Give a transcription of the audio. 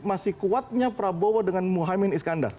masih kuatnya prabowo dengan muhaymin iskandar